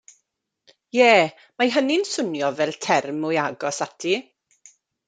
Ie mae hynny'n swnio fel term mwy agos ati.